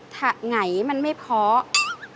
ถ้าไหนมันไม่เพาะ